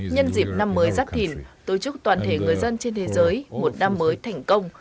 nhân dịp năm mới giáp thìn tôi chúc toàn thể người dân trên thế giới một năm mới thành công